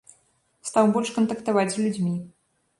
Стаў больш кантактаваць з людзьмі.